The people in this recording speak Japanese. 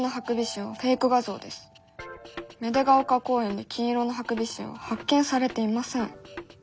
芽出ヶ丘公園で金色のハクビシンは発見されていません」。